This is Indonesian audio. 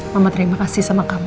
mama terima kasih sama kami